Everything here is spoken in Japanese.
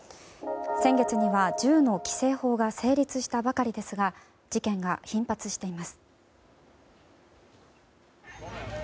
先月には銃の規制法が成立したばかりですが事件が頻発しています。